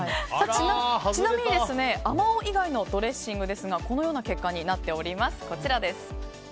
ちなみにあまおう以外のドレッシングですがこのような結果になっております。